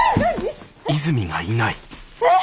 えっ！